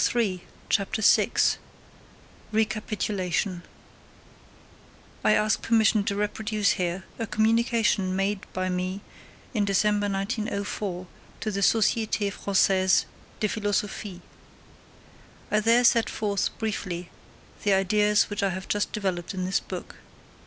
] CHAPTER VI RECAPITULATION I ask permission to reproduce here a communication made by me in December 1904 to the Société Française de Philosophie. I there set forth briefly the ideas which I have just developed in this book.